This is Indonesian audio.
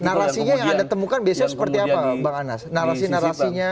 narasinya yang anda temukan biasanya seperti apa bang anas